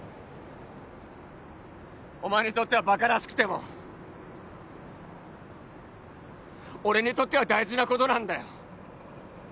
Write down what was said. お前にとってはバカらしくても俺にとっては大事なことなんだよ